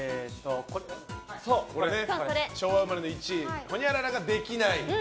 昭和生まれの１位ほにゃららができない。